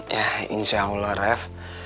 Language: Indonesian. yah insya allah ref